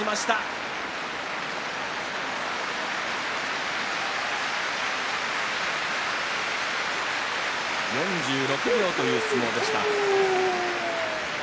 拍手４６秒という相撲でした。